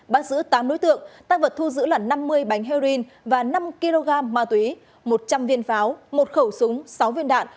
bắt giữ tám đối tượng tăng vật thu giữ là năm mươi bánh heroin và năm kg ma túy một trăm linh viên pháo một khẩu súng sáu viên đạn